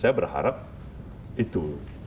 saya berharap itu